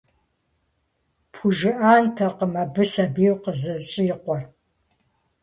Пхужыӏэнтэкъым абы сабийуэ къызэщӏикъуэр.